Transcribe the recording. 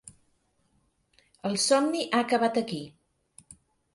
El somni ha acabat aquí.